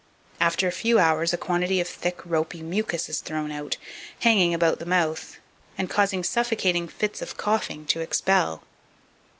After a few hours, a quantity of thick, ropy mucus is thrown out, hanging about the mouth, and causing suffocating fits of coughing to expel.